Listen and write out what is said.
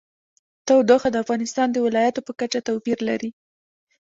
تودوخه د افغانستان د ولایاتو په کچه توپیر لري.